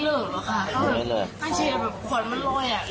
แล้วมีกระเท้ยแดกมะนิดเดียวมีกระเท้ยยื้นกับไทย